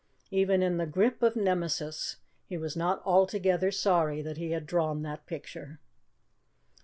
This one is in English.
Even in the grip of Nemesis he was not altogether sorry that he had drawn that picture.